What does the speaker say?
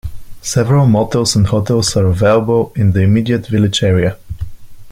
Several motels and hotels are available in the immediate village area.